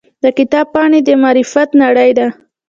د کتاب پاڼې د معرفت نړۍ ده.